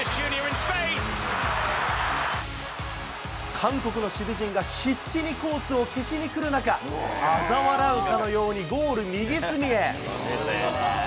韓国の守備陣が必死にコースを消しに来る中、あざ笑うかのようにゴール右隅へ。